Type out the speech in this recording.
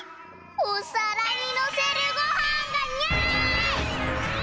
おさらにのせるごはんがにゃい！